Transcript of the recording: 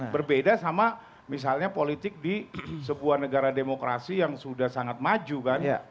berbeda sama misalnya politik di sebuah negara demokrasi yang sudah sangat maju kan